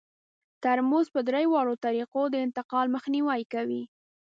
ترموز په درې واړو طریقو د انتقال مخنیوی کوي.